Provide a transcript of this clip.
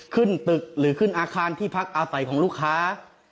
ขึ้นตึกหรือขึ้นอาคารที่พักอาศัยของลูกค้า